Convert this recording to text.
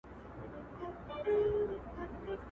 او مسئولیتونه په ګوته کړي